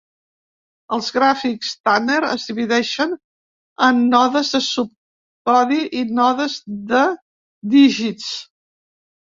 Els gràfics Tanner es divideixen en nodes de subcodi i nodes de dígits.